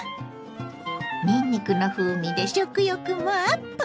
にんにくの風味で食欲もアップ！